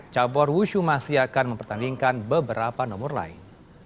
cabur wushu masih akan mempertandingkan beberapa nomor lain